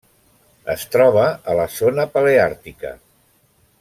Es troba a la Zona Paleàrtica.